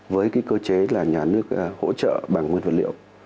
với cơ chế nhà nước hỗ trợ bằng nguyên vật liệu